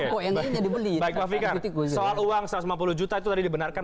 soal uang satu ratus lima puluh juta itu tadi dibenarkan